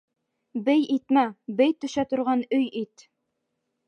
Бей итмә, бей төшә торған өй ит.